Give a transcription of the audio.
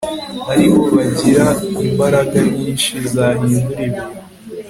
aribo bagira imbaraga nyinshi zahindura ibintu